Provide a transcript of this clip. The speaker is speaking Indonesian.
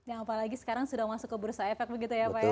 apalagi sekarang sudah masuk ke bursa efek begitu ya pak ya